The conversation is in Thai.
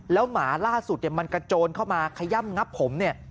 แล้วหมาล่าสุดเนี่ยมันกระโจนเข้ามาขย่ำงับผมเนี่ย